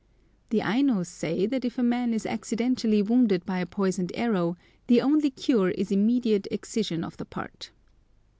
The Ainos say that if a man is accidentally wounded by a poisoned arrow the only cure is immediate excision of the part.